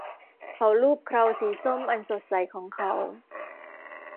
เขาลูบเคราสีส้มอันสดใสของเขา